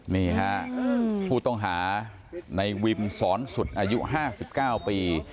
นี่ครับผู้ต้องหาในวิมสอนสุตอายุห้าสิบเก้าปี